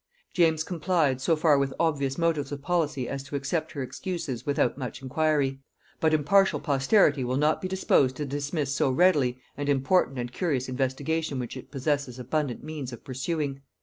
James complied so far with obvious motives of policy as to accept her excuses without much inquiry; but impartial posterity will not be disposed to dismiss so easily an important and curious investigation which it possesses abundant means of pursuing.